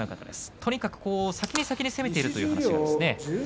とにかく先に攻めているという話です。